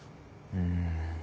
うん。